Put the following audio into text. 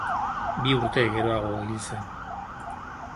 Bi urte geroago hil zen.